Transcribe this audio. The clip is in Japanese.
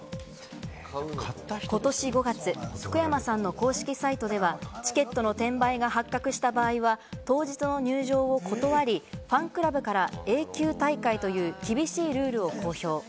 ことし５月、福山さんの公式サイトではチケットの転売が発覚した場合は、当日の入場を断り、ファンクラブから永久退会という厳しいルールを公表。